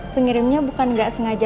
pengirimnya bukan enggak sengaja